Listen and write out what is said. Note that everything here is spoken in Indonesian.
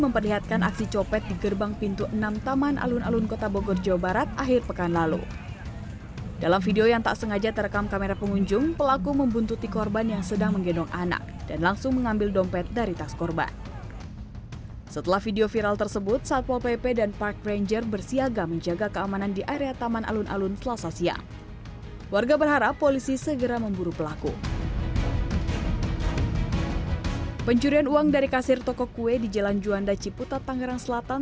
pencurian uang dari kasir toko kue di jalan juanda ciputa tangerang selatan